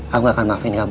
aku enggak akan maafin kamu